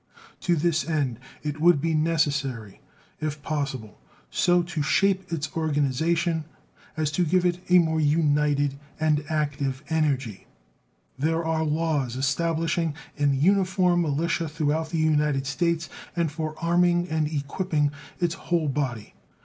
To this end it would be necessary, if possible, so to shape its organization as to give it a more united and active energy. There are laws establishing an uniform militia throughout the United States and for arming and equipping its whole body.